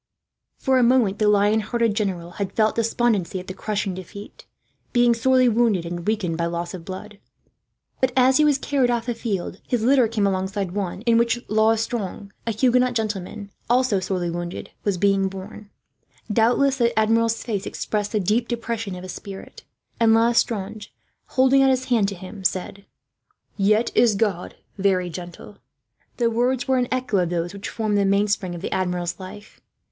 For a moment the lion hearted general had felt despondency at the crushing defeat, being sorely wounded and weakened by loss of blood; but as he was carried off the field, his litter came alongside one in which L'Estrange, a Huguenot gentleman, also sorely wounded, was being borne. Doubtless the Admiral's face expressed the deep depression of his spirit; and L'Estrange, holding out his hand to him, said: "Yet is God very gentle." The words were an echo of those which formed the mainspring of the Admiral's life.